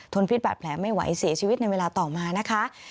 พิษบาดแผลไม่ไหวเสียชีวิตในเวลาต่อมานะคะ